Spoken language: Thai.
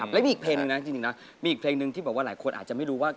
แล้วมีอีกเพลงมีอีกเพลงดูนึงที่หลายคนอาจไม่รู้ว่า